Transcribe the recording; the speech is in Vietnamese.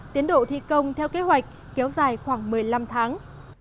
tiến độ thi công theo kế hoạch kéo dài khoảng một mươi năm tháng